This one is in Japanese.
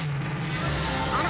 あら！